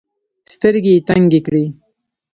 سترګي یې تنګي کړې .